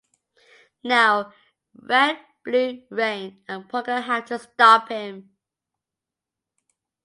Now Red, Blue, Rain, and Ponga have to stop him.